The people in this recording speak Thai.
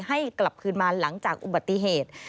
ให้กลับคืนมาหลังจากอุบัติเหตุ